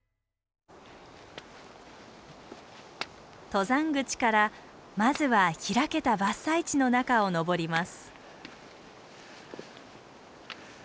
登山口からまずは開けた伐採地の中を登ります。